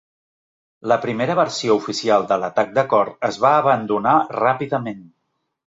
La primera versió oficial de l'atac de cor es va abandonar ràpidament.